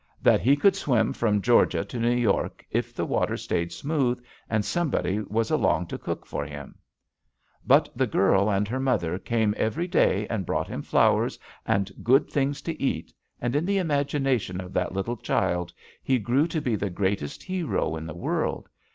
That he could swim from Georgia to New York if the water stayed smooth and some body was along to cook for him. "But the girl and her mother came every day and brought him flowers and good things to eat, and in the imagination of that little child he grew to be the greatest hero in the JUST SWEETHEARTS world.